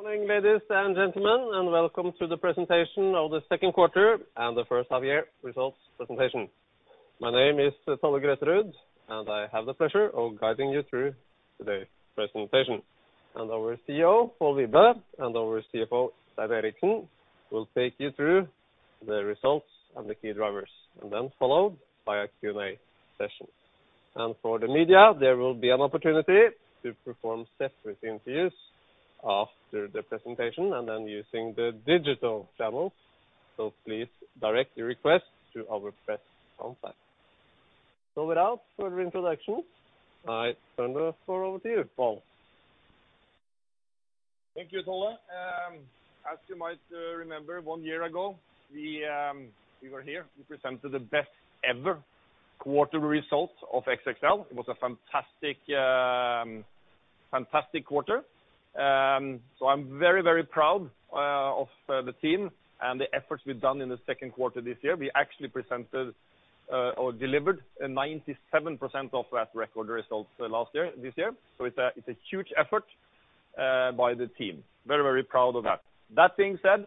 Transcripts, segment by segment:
Morning, ladies and gentlemen, welcome to the presentation of the second quarter and the first half year results presentation. My name is Tolle Grøterud, I have the pleasure of guiding you through today's presentation. Our CEO, Pål Wibe, and our CFO, Stein Eriksen, will take you through the results and the key drivers, and then followed by a Q&A session. For the media, there will be an opportunity to perform separate interviews after the presentation and then using the digital channels. Please direct your request to our press contact. Without further introduction, I turn the floor over to you, Pål. Thank you, Tolle. As you might remember, one year ago, we were here. We presented the best ever quarter result of XXL. It was a fantastic quarter. I'm very proud of the team and the efforts we've done in the second quarter this year. We actually presented or delivered 97% of that record result this year. It's a huge effort by the team. Very proud of that. That being said,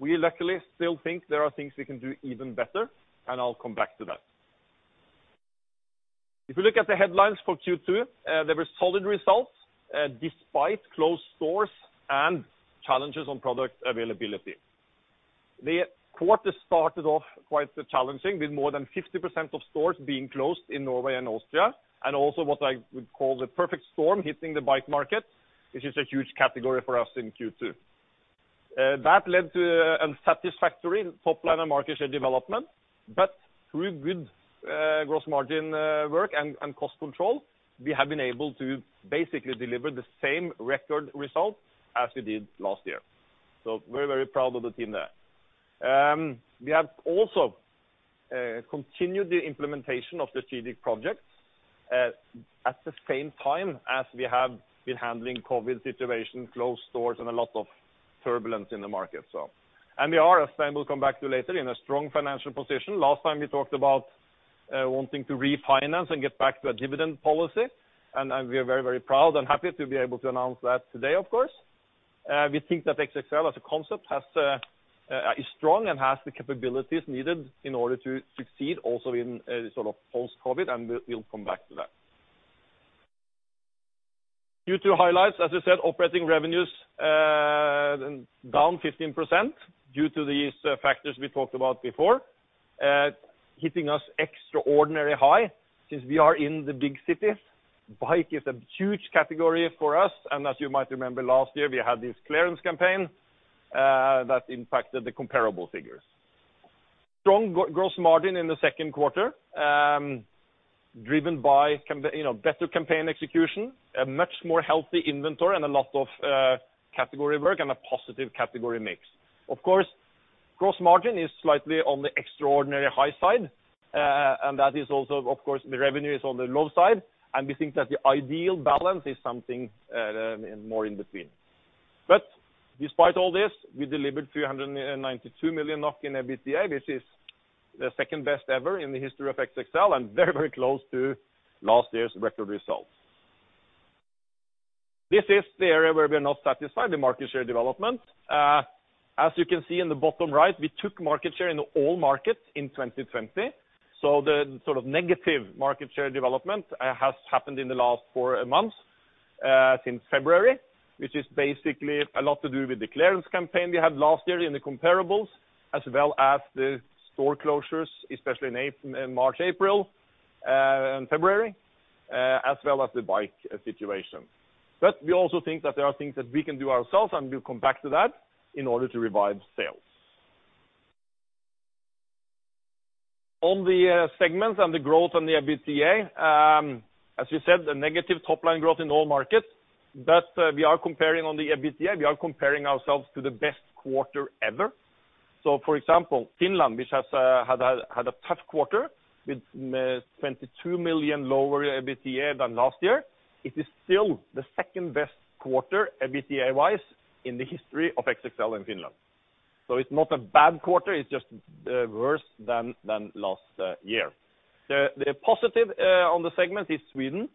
we luckily still think there are things we can do even better, and I'll come back to that. If you look at the headlines for Q2, there were solid results despite closed stores and challenges on product availability. The quarter started off quite challenging, with more than 50% of stores being closed in Norway and Austria, and also what I would call the perfect storm hitting the bike market, which is a huge category for us in Q2. That led to unsatisfactory top line and market share development. Through good gross margin work and cost control, we have been able to basically deliver the same record result as we did last year. Very proud of the team there. We have also continued the implementation of the strategic projects at the same time as we have been handling COVID situation, closed stores, and a lot of turbulence in the market. We are, as Stein will come back to later, in a strong financial position. Last time we talked about wanting to refinance and get back to a dividend policy, we are very proud and happy to be able to announce that today, of course. We think that XXL as a concept is strong and has the capabilities needed in order to succeed also in post-COVID, we'll come back to that. Q2 highlights, as I said, operating revenues down 15% due to these factors we talked about before. Hitting us extraordinary high since we are in the big cities. Bike is a huge category for us. As you might remember, last year we had this clearance campaign that impacted the comparable figures. Strong gross margin in the second quarter driven by better campaign execution, a much more healthy inventory, and a lot of category work and a positive category mix. Of course, gross margin is slightly on the extraordinary high side. That is also, of course, the revenue is on the low side. We think that the ideal balance is something more in between. Despite all this, we delivered 392 million NOK in EBITDA, which is the second best ever in the history of XXL and very close to last year's record results. This is the area where we are not satisfied, the market share development. As you can see in the bottom right, we took market share in all markets in 2020. The negative market share development has happened in the last four months since February, which is basically a lot to do with the clearance campaign we had last year in the comparables as well as the store closures, especially in March, April and February as well as the bike situation. We also think that there are things that we can do ourselves, and we'll come back to that in order to revive sales. On the segments and the growth on the EBITDA, as you said, a negative top-line growth in all markets, but we are comparing on the EBITDA. We are comparing ourselves to the best quarter ever. For example, Finland, which has had a tough quarter with 22 million lower EBITDA than last year. It is still the second-best quarter EBITDA-wise in the history of XXL in Finland. It's not a bad quarter. It's just worse than last year. The positive on the segment is Sweden.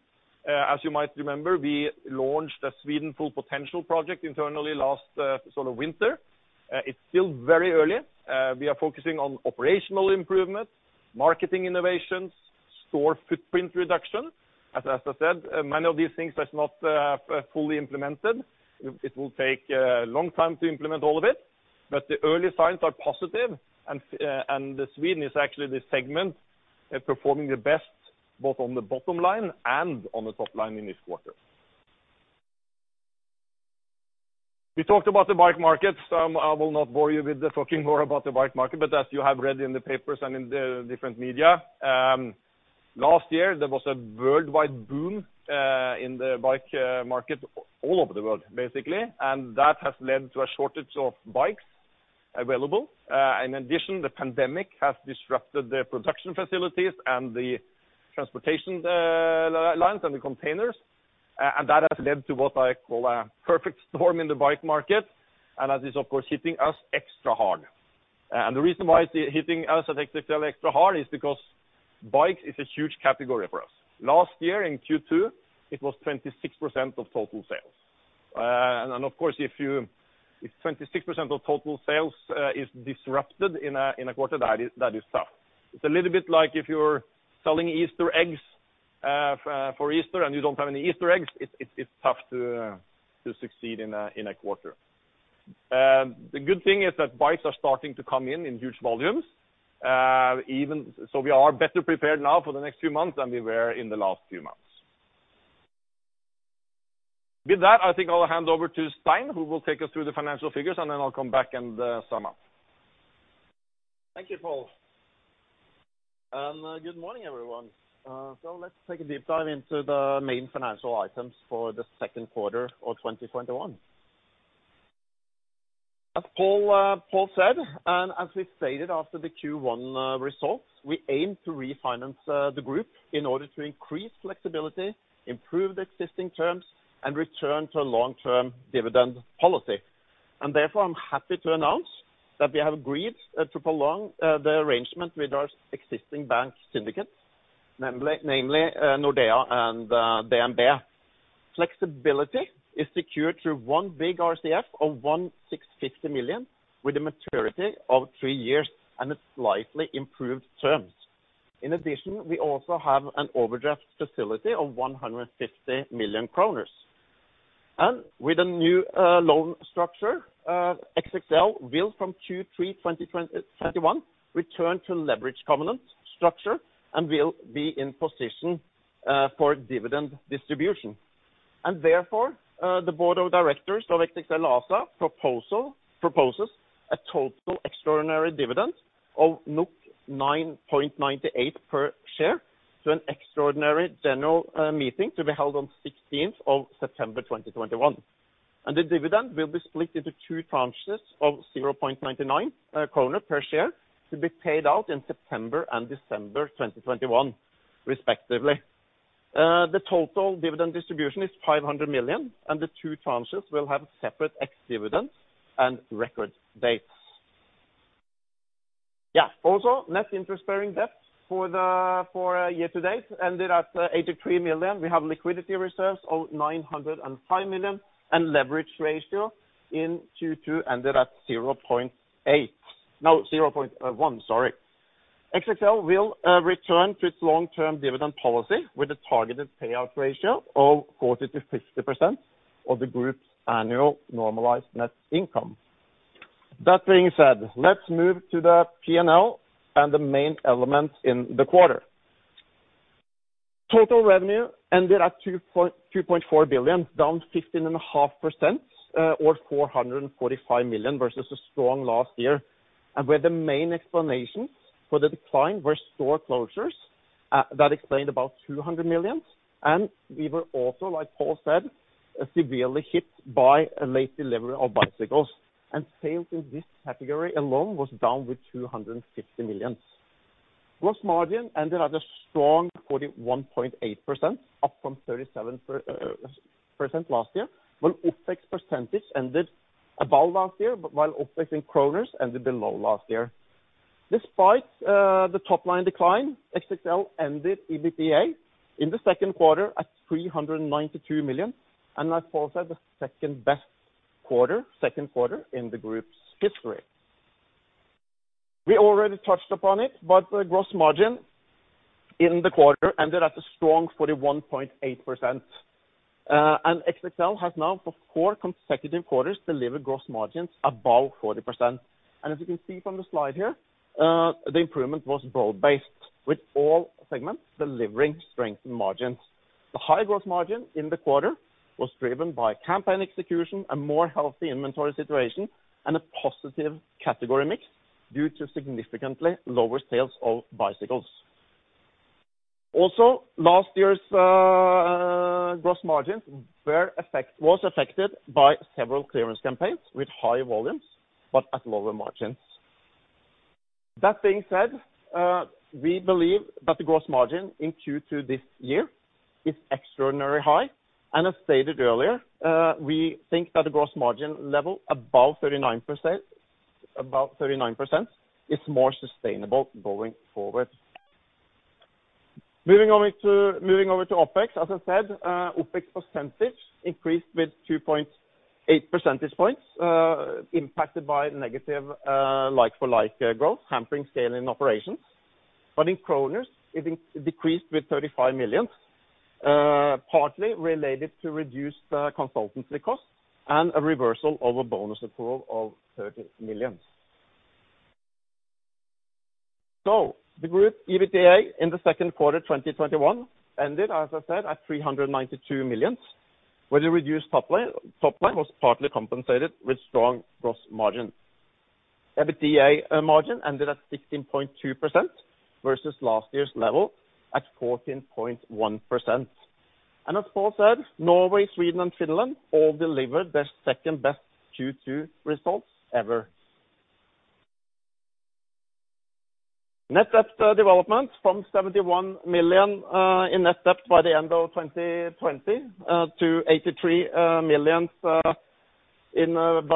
As you might remember, we launched a Sweden Full Potential project internally last winter. It's still very early. We are focusing on operational improvements, marketing innovations, store footprint reduction. As I said, many of these things are not fully implemented. It will take a long time to implement all of it, but the early signs are positive and Sweden is actually the segment performing the best both on the bottom line and on the top line in this quarter. We talked about the bike market, so I will not bore you with the talking more about the bike market. As you have read in the papers and in the different media, last year there was a worldwide boom in the bike market all over the world, basically, and that has led to a shortage of bikes available. In addition, the pandemic has disrupted the production facilities and the transportation lines and the containers, and that has led to what I call a perfect storm in the bike market, and that is, of course, hitting us extra hard. The reason why it's hitting us at XXL extra hard is because bikes is a huge category for us. Last year in Q2, it was 26% of total sales. Of course, if 26% of total sales is disrupted in a quarter, that is tough. It's a little bit like if you're selling Easter eggs for Easter and you don't have any Easter eggs, it's tough to succeed in a quarter. The good thing is that bikes are starting to come in in huge volumes. We are better prepared now for the next few months than we were in the last few months. With that, I think I'll hand over to Stein, who will take us through the financial figures, and then I'll come back and sum up. Thank you, Pål. Good morning, everyone. Let's take a deep dive into the main financial items for the second quarter of 2021. As Pål said, and as we stated after the Q1 results, we aim to refinance the group in order to increase flexibility, improve the existing terms, and return to a long-term dividend policy. Therefore, I'm happy to announce that we have agreed to prolong the arrangement with our existing bank syndicate, namely Nordea and DNB. Flexibility is secured through one big RCF of 1,650 million with a maturity of three years and slightly improved terms. In addition, we also have an overdraft facility of 150 million kroner. With a new loan structure, XXL will from Q3 2021 return to leverage covenant structure and will be in position for dividend distribution. Therefore, the board of directors of XXL ASA proposes a total extraordinary dividend of NOK 9.98 per share to an extraordinary general meeting to be held on 16th of September 2021. The dividend will be split into two tranches of 0.99 kroner per share to be paid out in September and December 2021, respectively. The total dividend distribution is 500 million. The two tranches will have separate ex-dividend and record dates. Also, net interest-bearing debt for year to date ended at 83 million. We have liquidity reserves of 905 million and leverage ratio in Q2 ended at 0.8. No, 0.1, sorry. XXL will return to its long-term dividend policy with a targeted payout ratio of 40%-50% of the group's annual normalized net income. That being said, let's move to the P&L and the main elements in the quarter. Total revenue ended at 2.4 billion, down 15.5%, or 445 million versus a strong last year. Where the main explanations for the decline were store closures, that explained about 200 million. We were also, like Pål said, severely hit by a late delivery of bicycles and sale to this category alone was down with 250 million. Gross margin ended at a strong 41.8%, up from 37% last year. While OpEx percentage ended above last year, but while OpEx in NOK ended below last year. Despite the top-line decline, XXL ended EBITDA in the second quarter at 392 million, and like Pål said, the second best quarter in the group's history. We already touched upon it, but gross margin in the quarter ended at a strong 41.8%. XXL has now for four consecutive quarters delivered gross margins above 40%. As you can see from the slide here, the improvement was broad-based, with all segments delivering strengthened margins. The high gross margin in the quarter was driven by campaign execution and more healthy inventory situation and a positive category mix due to significantly lower sales of bicycles. Last year's gross margins was affected by several clearance campaigns with high volumes but at lower margins. That being said, we believe that the gross margin in Q2 this year is extraordinarily high. As stated earlier, we think that a gross margin level above 39% is more sustainable going forward. Moving over to OpEx. As I said, OpEx percentage increased with 2.8 percentage points, impacted by negative like-for-like growth, hampering scale in operations. In NOK, it decreased with 35 million, partly related to reduced consultancy costs and a reversal of a bonus accrual of 30 million. The group EBITDA in the second quarter 2021 ended, as I said, at 392 million, where the reduced top line was partly compensated with strong gross margin. EBITDA margin ended at 16.2% versus last year's level at 14.1%. As Pål said, Norway, Sweden and Finland all delivered their second best Q2 results ever. Net debt development from 71 million in net debt by the end of 2020 to 83 million by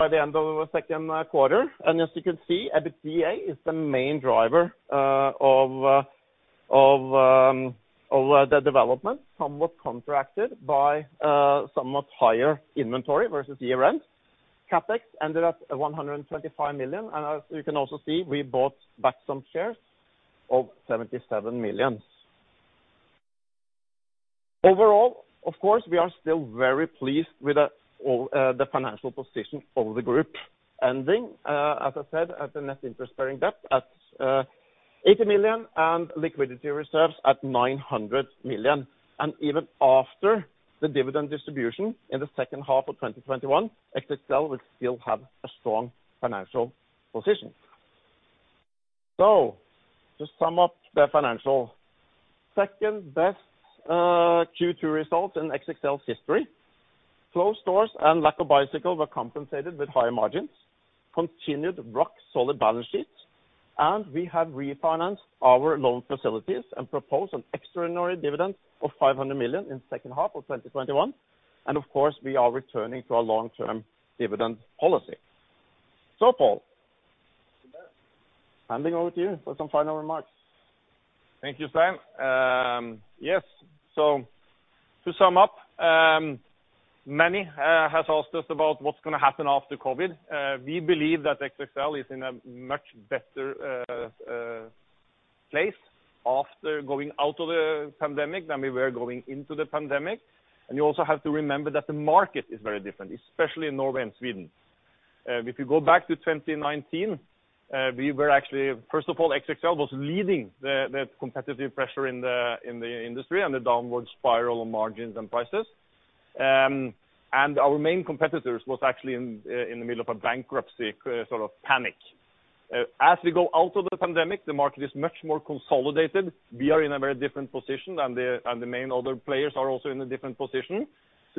the end of the second quarter. As you can see, EBITDA is the main driver of the development, somewhat contracted by somewhat higher inventory versus year-end. CapEx ended at 125 million, as you can also see, we bought back some shares of 77 million. Overall, of course, we are still very pleased with the financial position of the group ending, as I said, at the net interest-bearing debt at 80 million and liquidity reserves at 900 million. Even after the dividend distribution in the second half of 2021, XXL will still have a strong financial position. To sum up the financial, second-best Q2 results in XXL's history. Closed stores and lack of bicycle were compensated with higher margins, continued rock-solid balance sheets, and we have refinanced our loan facilities and proposed an extraordinary dividend of 500 million in second half of 2021. Of course, we are returning to our long-term dividend policy. Pål, handing over to you for some final remarks. Thank you, Stein. Yes. To sum up, many have asked us about what's going to happen after COVID. We believe that XXL is in a much better place after going out of the pandemic than we were going into the pandemic. You also have to remember that the market is very different, especially in Norway and Sweden. If you go back to 2019, first of all, XXL was leading the competitive pressure in the industry and the downward spiral on margins and prices. Our main competitors was actually in the middle of a bankruptcy sort of panic. As we go out of the pandemic, the market is much more consolidated. We are in a very different position, and the main other players are also in a different position. We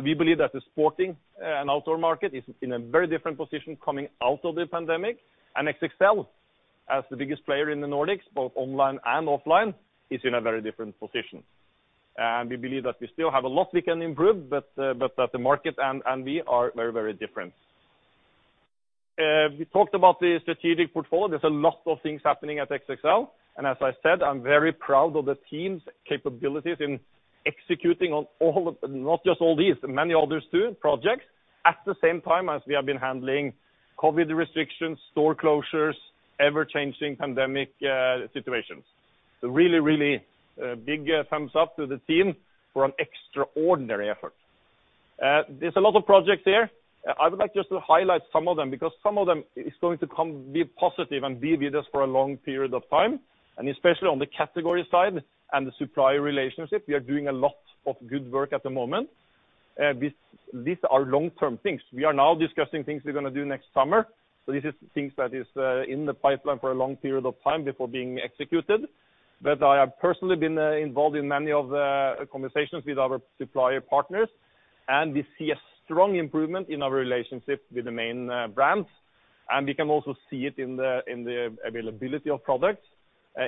believe that the sporting and outdoor market is in a very different position coming out of the pandemic. XXL, as the biggest player in the Nordics, both online and offline, is in a very different position. We believe that we still have a lot we can improve, but that the market and we are very different. We talked about the strategic portfolio. There's a lot of things happening at XXL, and as I said, I'm very proud of the team's capabilities in executing on not just all these, but many others too, projects, at the same time as we have been handling COVID restrictions, store closures, ever-changing pandemic situations. Really big thumbs up to the team for an extraordinary effort. There's a lot of projects here. I would like just to highlight some of them, because some of them is going to be positive and be with us for a long period of time, and especially on the category side and the supplier relationship, we are doing a lot of good work at the moment. These are long-term things. We are now discussing things we're going to do next summer. This is things that is in the pipeline for a long period of time before being executed. I have personally been involved in many of the conversations with our supplier partners, and we see a strong improvement in our relationship with the main brands. We can also see it in the availability of products.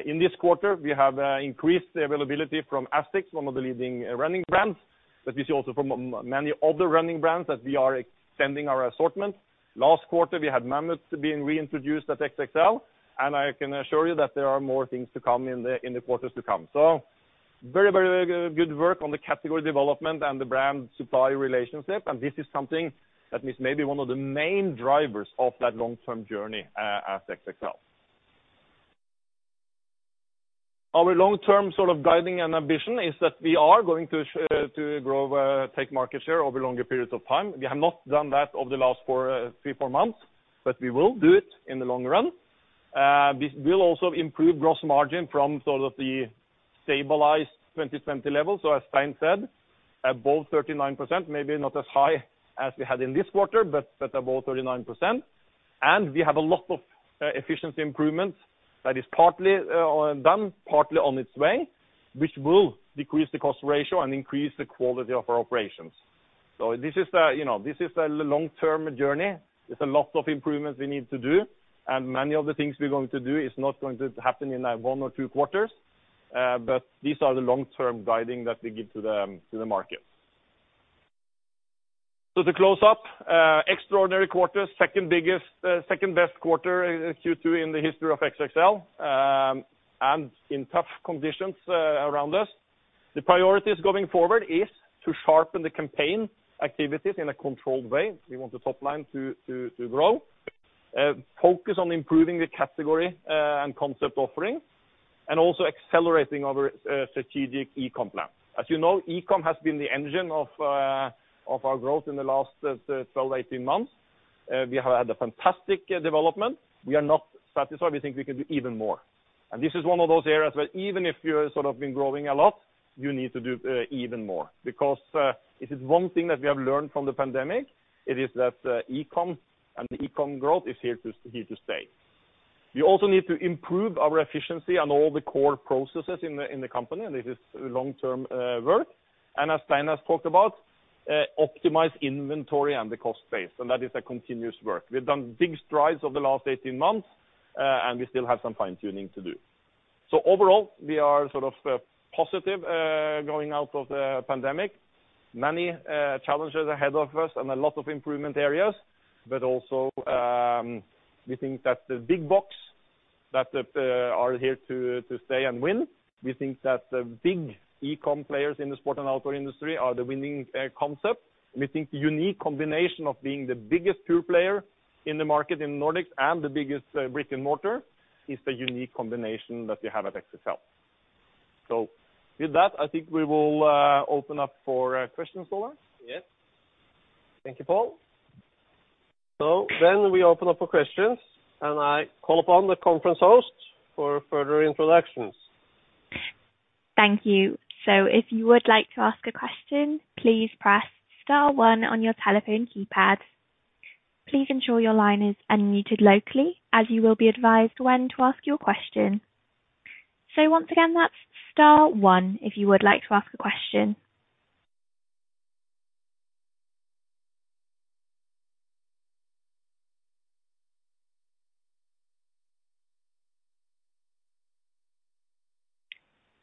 In this quarter, we have increased the availability from ASICS, one of the leading running brands. We see also from many other running brands that we are extending our assortment. Last quarter, we had Mammut being reintroduced at XXL, and I can assure you that there are more things to come in the quarters to come. Very good work on the category development and the brand supplier relationship, and this is something that is maybe one of the main drivers of that long-term journey at XXL. Our long-term sort of guiding and ambition is that we are going to grow, take market share over longer periods of time. We have not done that over the last three, four months, but we will do it in the long run. This will also improve gross margin from sort of the stabilized 2020 level. As Stein said, above 39%, maybe not as high as we had in this quarter, but above 39%. We have a lot of efficiency improvements that is partly done, partly on its way, which will decrease the cost ratio and increase the quality of our operations. This is a long-term journey. There's a lot of improvements we need to do, and many of the things we're going to do is not going to happen in one or two quarters. These are the long-term guiding that we give to the market. To close up, extraordinary quarter, second best quarter, Q2, in the history of XXL, and in tough conditions around us. The priorities going forward is to sharpen the campaign activities in a controlled way. We want the top line to grow. Focus on improving the category and concept offering, and also accelerating our strategic e-com plan. As you know, e-com has been the engine of our growth in the last 12-18 months. We have had a fantastic development. We are not satisfied. We think we can do even more. This is one of those areas where even if you've sort of been growing a lot, you need to do even more because if it's one thing that we have learned from the pandemic, it is that e-com and e-com growth is here to stay. We also need to improve our efficiency on all the core processes in the company, and it is long-term work. As Stein Eriksen has talked about optimize inventory and the cost base, and that is a continuous work. We've done big strides over the last 18 months, and we still have some fine-tuning to do. Overall, we are sort of positive going out of the pandemic. Many challenges ahead of us and a lot of improvement areas. We think that the big box that are here to stay and win. We think that the big e-com players in the sport and outdoor industry are the winning concept. We think the unique combination of being the biggest pure player in the market in Nordics and the biggest brick-and-mortar is the unique combination that we have at XXL. With that, I think we will open up for questions, Tolle. Yes. Thank you, Pål. We open up for questions, and I call upon the conference host for further introductions. Thank you. If you would like to ask a question, please press star one on your telephone keypad. Please ensure your line is unmuted locally, as you will be advised when to ask your question. Once again, that's star one if you would like to ask a question.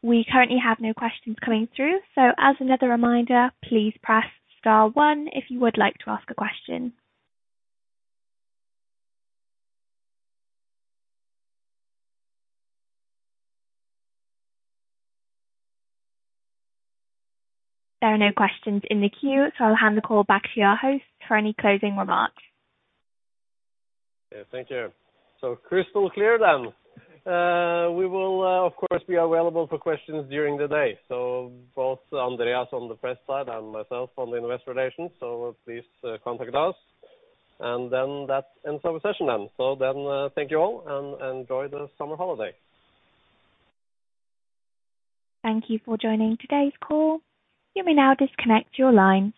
We currently have no questions coming through. As another reminder, please press star one if you would like to ask a question. There are no questions in the queue. I'll hand the call back to your host for any closing remarks. Yeah. Thank you. Crystal clear then. We will, of course, be available for questions during the day, so both Andreas on the press side and myself on the investor relations. Please contact us and then that ends our session then. Thank you all and enjoy the summer holiday. Thank you for joining today's call. You may now disconnect your lines.